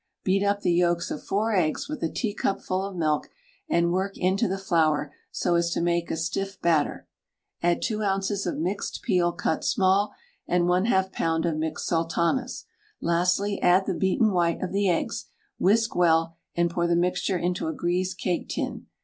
Beat up the yolks of 4 eggs with a teacupful of milk, and work into the flour so as to make a stiff batter. Add 2 oz. of mixed peel cut small, and 1/2 lb. of mixed sultanas. Lastly, add the beaten white of the eggs, whisk well, and pour the mixture into a greased cake tin.